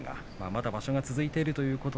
まだ場所は続いています。